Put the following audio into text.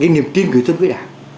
để niềm tin người thân với đảng